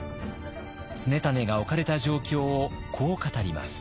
常胤が置かれた状況をこう語ります。